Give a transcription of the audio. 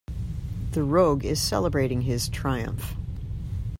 The rogue is celebrating his triumph.